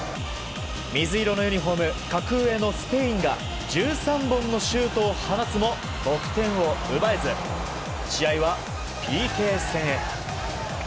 水色のユニホーム格上のスペインが１３本のシュートを放つも得点を奪えず試合はＰＫ戦へ。